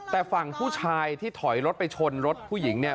แต่ฝั่งผู้ชายที่ถอยรถไปชนรถผู้หญิงเนี่ย